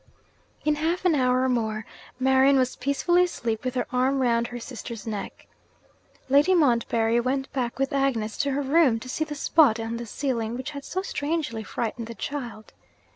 In half an hour more, Marian was peacefully asleep with her arm around her sister's neck. Lady Montbarry went back with Agnes to her room to see the spot on the ceiling which had so strangely frightened the child.